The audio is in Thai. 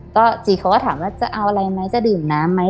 ก็จีเขาก็ถามว่าจะเอาอะไรไหมจะดื่มน้ำไหม